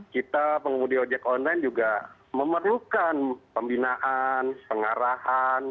kita pengemudi ojek online juga memerlukan pembinaan pengarahan